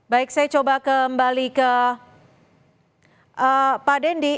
baik saya coba kembali ke pak dendi